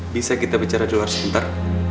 bisa kita bicara luar sebentar